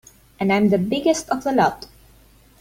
And I'm the biggest of the lot.